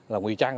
là nguy trang